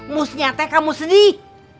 mukannyaexpctor kamu sedih